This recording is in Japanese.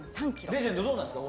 レジェンド、どうなんですか？